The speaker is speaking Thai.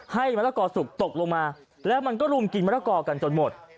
มะละกอสุกตกลงมาแล้วมันก็รุมกินมะละกอกันจนหมด